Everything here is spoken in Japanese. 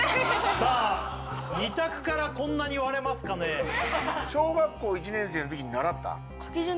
さあ２択からこんなに割れますかね小学校１年生の時に習った？